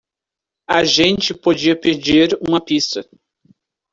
A gente podia pedir uma pizza.